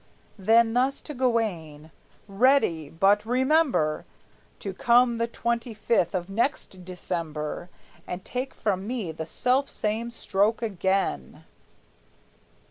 Then thus to Gawayne: "Ready! But remember To come the twenty fifth of next December, And take from me the self same stroke again!"